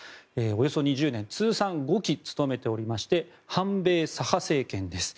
およそ２０年通算５期、務めておりまして反米左派政権です。